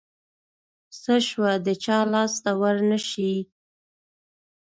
څه شوه د چا لاس ته ورنشي.